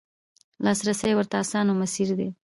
لاسرسی ورته اسانه او میسر دی.